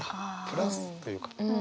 プラスというか。